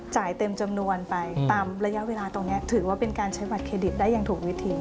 เต็มจำนวนไปตามระยะเวลาตรงนี้ถือว่าเป็นการใช้บัตรเครดิตได้อย่างถูกวิธี